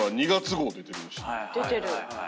出てる。